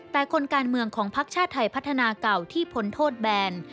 แต่คนการเมืองของภักดิ์ชาติไทยพัฒนาเก่าที่พ้นโทษแบน